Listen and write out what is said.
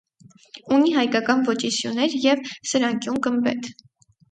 Ունի հայկական ոճի սյուներ և սրանկյուն գմբեթ։